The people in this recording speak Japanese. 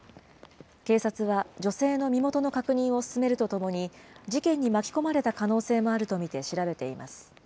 警察は女性の身元の確認を進めるとともに、事件に巻き込まれた可能性もあると見て調べています。